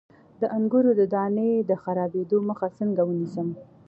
د انګورو د دانې د خرابیدو مخه څنګه ونیسم؟